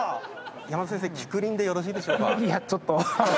山田先生きくりんでよろしいでしょうか？